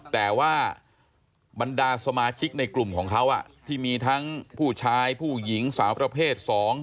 แต่ว่าบรรดาสมาชิกในกลุ่มของเขาที่มีทั้งผู้ชายผู้หญิงสาวประเภท๒